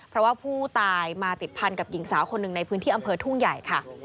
เพราะว่าผู้ตายมาติดพันกับหญิงสาวคนหนึ่งในพื้นที่อำเภอทุ่งใหญ่ค่ะ